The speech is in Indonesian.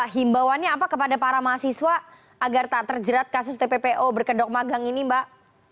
himbawannya apa kepada para mahasiswa agar tak terjerat kasus tppo berkedok magang ini mbak